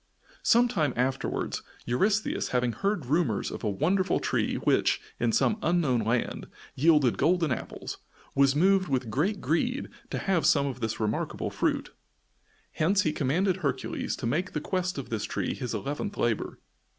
Sometime afterwards, Eurystheus, having heard rumors of a wonderful tree which, in some unknown land, yielded golden apples, was moved with great greed to have some of this remarkable fruit. Hence he commanded Hercules to make the quest of this tree his eleventh labor.